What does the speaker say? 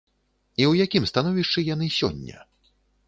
І ў якім становішчы яны сёння?